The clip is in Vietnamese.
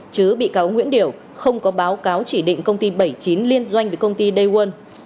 chứ bị cáo nguyễn điểu không có báo cáo chỉ định công ty bảy mươi chín liên doanh với công ty daewon